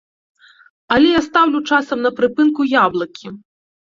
Але я стаўлю часам на прыпынку яблыкі.